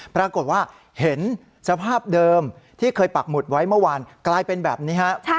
ปรากฏว่าเห็นสภาพเดิมที่เคยปักหมุดไว้เมื่อวานกลายเป็นแบบนี้ครับ